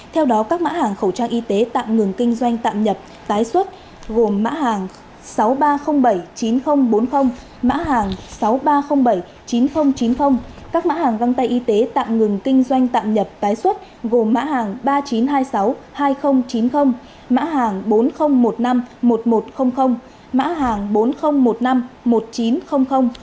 theo đó các mặt hàng khẩu trang y tế tạm ngừng kinh doanh tạm nhập tái xuất gồm mặt hàng sáu nghìn ba trăm linh bảy chín nghìn bốn mươi mặt hàng sáu nghìn ba trăm linh bảy chín nghìn chín mươi các mặt hàng găng tay y tế tạm ngừng kinh doanh tạm nhập tái xuất gồm mặt hàng ba nghìn chín trăm hai mươi sáu hai nghìn chín mươi mặt hàng bốn nghìn một mươi năm một nghìn một trăm linh mặt hàng bốn nghìn một mươi năm một nghìn chín trăm linh